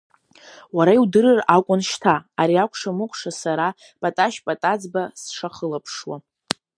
Уара иудырыр акәын шьҭа, ари акәшамыкәша сара, Паташь Патаӡба, сшахылаԥшуа.